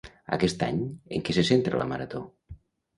Aquest any, en què se centra La Marató?